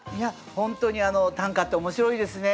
本当に短歌って面白いですね。